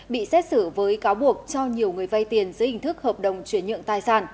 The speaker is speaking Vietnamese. bị xét xử với cáo buộc cho nhiều người vay tiền dưới hình thức hợp đồng chuyển nhượng tài sản